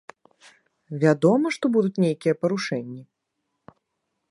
Вядома, што будуць нейкія парушэнні.